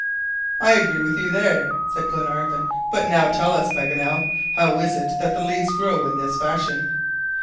"I agree with you there," said Glenarvan; "but now tell us, Paganel, how it is that the leaves grow in this fashion?"